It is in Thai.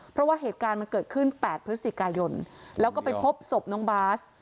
เพราะว่าเหตุการณ์มันเกิดขึ้น๘พฤศจิกายนแล้วก็ไปพบศพน้องบาส